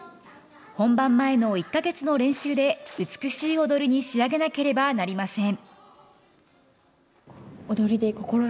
本番前の１か月の練習で美しい踊りに仕上げなければなりません。